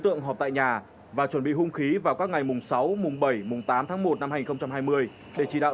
trong các bản tin tiếp theo